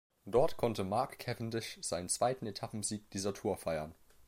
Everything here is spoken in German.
Dort konnte Mark Cavendish seinen zweiten Etappensieg dieser Tour feiern.